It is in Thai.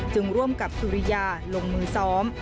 ร่วมกับสุริยาลงมือซ้อม